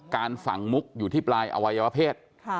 ฝั่งมุกอยู่ที่ปลายอวัยวเพศ